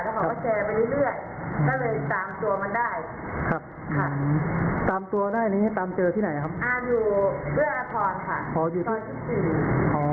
แล้วพอแชร์ไปเรื่อยเรื่อยก็เลยตามตัวมันได้ครับค่ะตามตัวได้นี่ตามเจอที่ไหนครับอ่าอยู่เอื้ออทรค่ะอ๋ออยู่